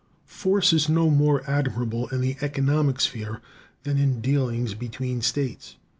Force is no more admirable in the economic sphere than in dealings between states.